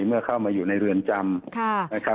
เมื่อเข้ามาอยู่ในเรือนจำนะครับ